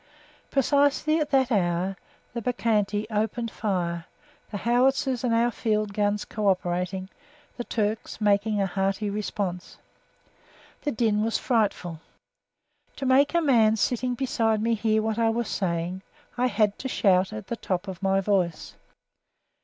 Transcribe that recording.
Precisely at that hour the Bacchante opened fire, the howitzers and our field guns co operating, the Turks making a hearty response. The din was frightful. To make a man sitting beside me hear what I was saying, I had to shout at the top of my voice.